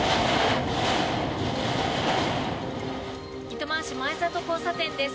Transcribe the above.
糸満市・真栄里交差点です。